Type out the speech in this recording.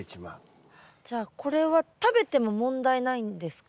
じゃあこれは食べても問題ないんですか？